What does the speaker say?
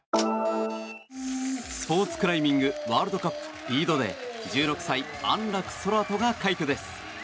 スポーツクライミングワールドカップリードで１６歳、安楽宙斗が快挙です。